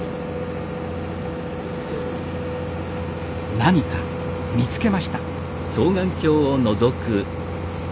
何か見つけました。